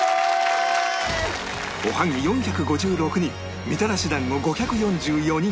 おはぎ４５６人みたらし団子５４４人